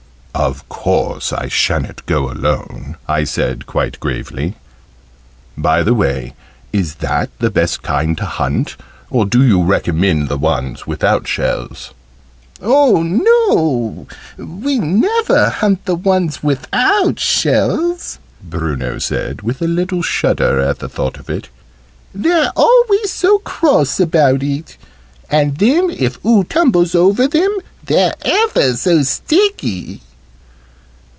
"Of course I sha'n't go alone," I said, quite gravely. "By the way, is that the best kind to hunt, or do you recommend the ones without shells?" "Oh, no, we never hunt the ones without shells," Bruno said, with a little shudder at the thought of it. "They're always so cross about it; and then, if oo tumbles over them, they're ever so sticky!"